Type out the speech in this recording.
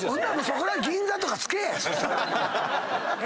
そこは銀座とか付けえ！